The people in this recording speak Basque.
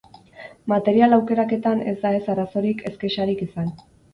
Material aukeraketan ez da ez arazorik ez kexarik izan.